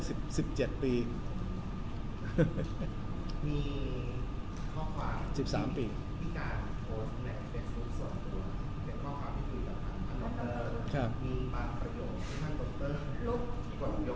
มีข้อความที่การโฟนในเว็บสูตรส่วนที่เป็นข้อความที่ถือแบบทางต้นเติม